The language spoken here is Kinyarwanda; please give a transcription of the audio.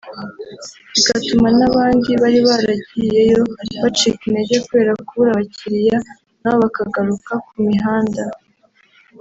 bigatuma n’abandi bari baragiyeyo bacika intege kubera kubura abakiriya nabo bakagaruka ku mihanda